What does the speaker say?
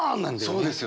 そうですよね。